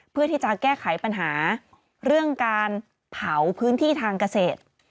เพื่อที่จะแก้ไขปัญหาเรื่องการเผาพื้นที่ทางเกษตร